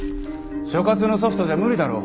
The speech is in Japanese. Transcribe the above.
所轄のソフトじゃ無理だろう？